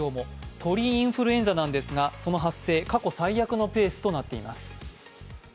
鳥インフルエンザなんですが、その発生、過去最悪のペースとなっています。